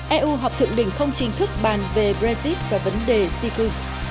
eu họp thượng đỉnh không chính thức bàn về brexit và vấn đề di cư